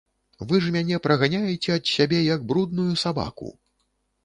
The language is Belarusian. Вы ж мяне праганяеце ад сябе, як брудную сабаку.